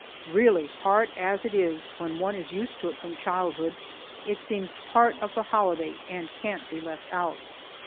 Really, hard as it is, when one is used to it from childhood, it seems part of the holiday, and can't be left out.